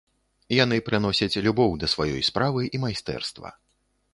Яны прыносяць любоў да сваёй справы і майстэрства.